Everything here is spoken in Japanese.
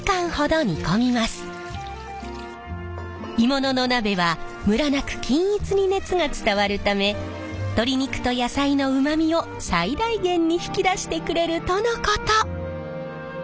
鋳物の鍋はムラなく均一に熱が伝わるため鶏肉と野菜のうまみを最大限に引き出してくれるとのこと。